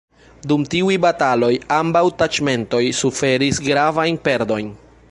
Dum tiuj bataloj ambaŭ taĉmentoj suferis gravajn perdojn.